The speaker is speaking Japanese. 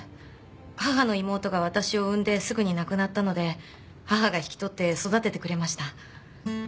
母の妹が私を生んですぐに亡くなったので母が引き取って育ててくれました。